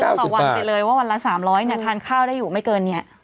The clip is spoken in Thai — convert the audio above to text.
ต่อวันไปเลยว่าวันละ๓๐๐เนี่ยทานข้าวได้อยู่ไม่เกินเนี่ย